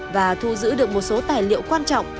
và thu giữ được một số tài liệu quan trọng